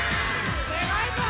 すごいぞ！